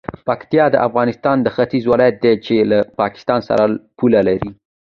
پکتیکا د افغانستان د ختیځ ولایت دی چې له پاکستان سره پوله لري.